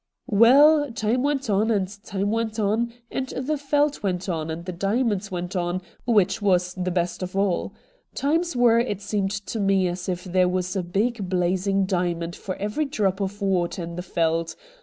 'Waal, time went on, and time went on, and the Yeldt went on, and the diamonds went on, which was the best of all. Times were, it seemed to me, as if there was a big blazing diamond for every drop of water in the Yeldt.